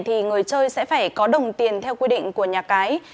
thì người chơi sẽ phải có đồng tiền theo quy định của nhà cái